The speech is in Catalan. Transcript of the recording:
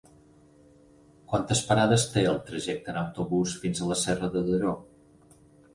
Quantes parades té el trajecte en autobús fins a Serra de Daró?